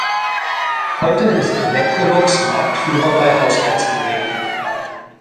Heute ist Electrolux Marktführer bei Haushaltsgeräten.